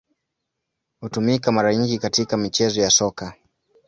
Hutumika mara nyingi katika michezo ya Soka.